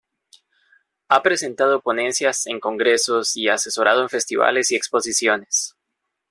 Ha presentado ponencias en congresos, y asesorado en festivales y exposiciones.